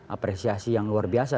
apresiasi yang luar biasa